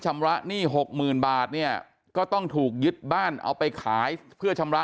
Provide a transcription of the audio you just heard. ชำระหนี้หกหมื่นบาทเนี่ยก็ต้องถูกยึดบ้านเอาไปขายเพื่อชำระ